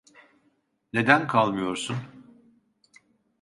Neden kalmıyorsun?